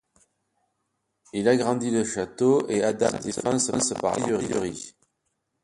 Il agrandit le château et adapte sa défense par l'artillerie.